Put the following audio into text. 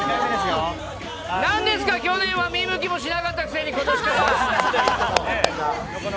なんですか、去年は見向きもしなかったくせに今年から！